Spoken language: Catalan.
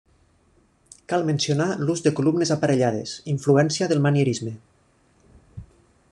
Cal mencionar l'ús de columnes aparellades, influència del manierisme.